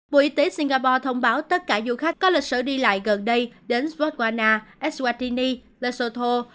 bộ y tế singapore thông báo tất cả du khách có lịch sử đi lại gần đây đến swatwana eswatini lesotho